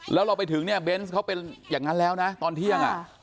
แล้วเราไปถึงเนี่ยเบนส์เขาเป็นอย่างนั้นแล้วนะตอนเที่ยง